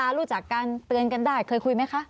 รู้จักกันเตือนกันได้เคยคุยไหมคะ